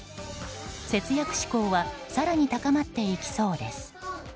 節約志向は更に高まっていきそうです。